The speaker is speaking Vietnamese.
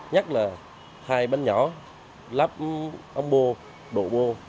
nhất là thay bánh nhỏ lắp ống bô đổ bô